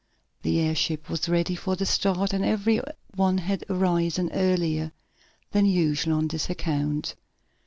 The airship was ready for the start, and every one had arisen earlier than usual on this account.